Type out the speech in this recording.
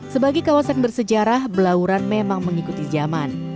sebagai kawasan bersejarah belauran memang mengikuti zaman